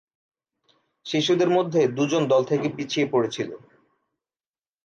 শিশুদের মধ্যে দু'জন দল থেকে পিছিয়ে পড়েছিল।